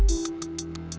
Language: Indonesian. cik cid apa